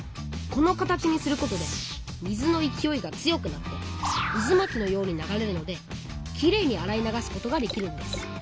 この形にすることで水のいきおいが強くなってうずまきのように流れるのできれいにあらい流すことができるんです。